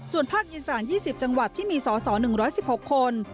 ส่วนภาคอีสาน๒๐จังหวัดที่มีสส๑๑๖คน